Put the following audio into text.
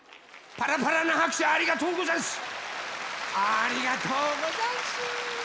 ありがとうござんす。